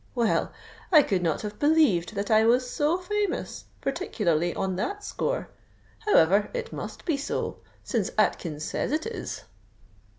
_' Well, I could not have believed that I was so famous—particularly on that score. However, it must be so, since Atkins says it is.